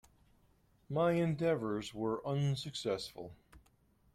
My endeavours were unsuccessful.